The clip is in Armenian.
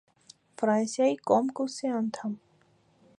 Ֆրանսիայի կոմկուսի անդամ։